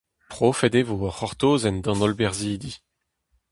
Profet e vo ur c'hortozenn d'an holl berzhidi.